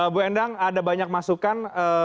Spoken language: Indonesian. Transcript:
bu endang ada banyak masukan